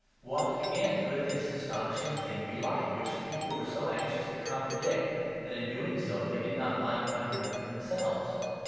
What again could this astonishing thing be like which people were so anxious to contradict, that in doing so they did not mind contradicting themselves?